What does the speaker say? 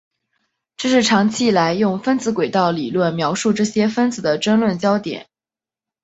这是长期以来用分子轨道理论描述这些分子的争论焦点。